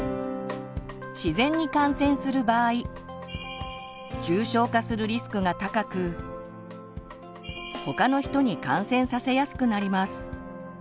自然に感染する場合重症化するリスクが高く他の人に感染させやすくなります。